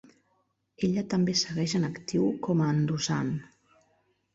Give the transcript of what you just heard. Ella també segueix en actiu com a endossant.